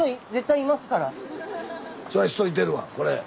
そら人いてるわこれ。